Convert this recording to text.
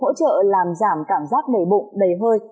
hỗ trợ làm giảm cảm giác nảy bụng đầy hơi